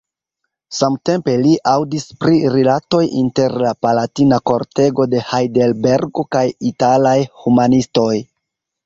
Samtempe li aŭdis pri rilatoj inter la palatina kortego de Hajdelbergo kaj italaj humanistoj.